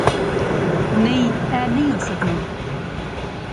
نئیں ایہہ نی ہوئی سکنا